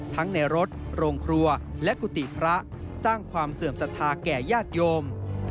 ในรถโรงครัวและกุฏิพระสร้างความเสื่อมศรัทธาแก่ญาติโยม